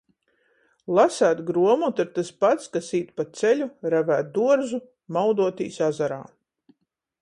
Laseit gruomotu ir tys pats, kas īt pa ceļu, revēt duorzu, mauduotīs azarā.